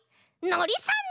のりさん？